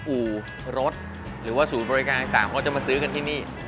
อู่รถหรือว่าศูนย์บริการต่างเขาจะมาซื้อกันที่นี่